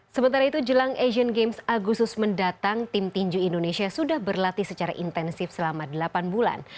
sementara itu jelang asian games agustus mendatang tim tinju indonesia sudah berlatih secara intensif selama delapan bulan